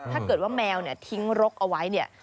ถ้าเกิดว่าแมวเนี่ยทิ้งรกเอาไว้เนี่ย